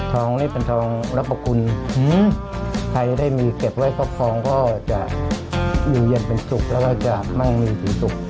ทองนี่เป็นทองรับประคุณใครได้มีเก็บไว้ข้อคลองก็จะอยู่เย็นเป็นศุกร์แล้วก็จะมั่งมีศุกร์